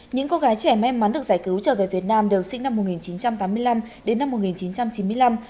những cô gái trẻ may mắn được giải cứu trở về việt nam đều sinh năm một nghìn chín trăm tám mươi năm